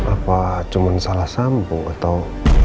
apa cuma salah sambung atau